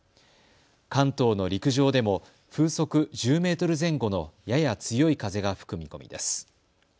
関東の陸上でも風速１０メートル前後のやや強い風が吹く見込みです。